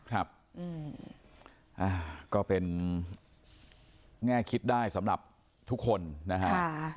ครับก็เป็นแง่คิดได้สำหรับทุกคนนะฮะ